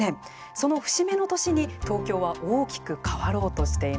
その節目の年に東京は大きく変わろうとしています。